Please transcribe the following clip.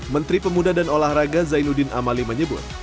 menteri pemuda dan olahraga zainuddin amali menyebut